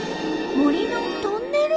「森のトンネル」？